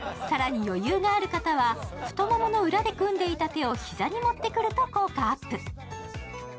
更に余裕がある方は太ももの裏で組んでいた腕を膝にもってくると効果アップ。